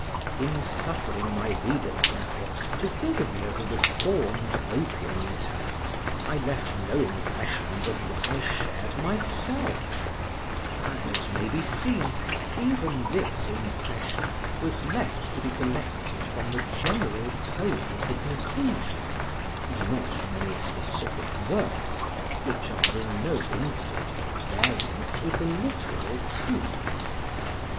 In suffering my readers, therefore, to think of me as of a reformed opium eater, I left no impression but what I shared myself; and, as may be seen, even this impression was left to be collected from the general tone of the conclusion, and not from any specific words, which are in no instance at variance with the literal truth.